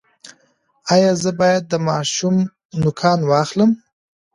ایا زه باید د ماشوم نوکان واخلم؟